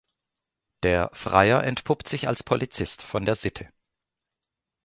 Der Freier entpuppt sich als Polizist von der Sitte.